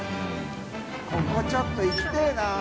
海ちょっと行きてぇな。